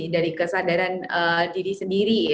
dan diri sendiri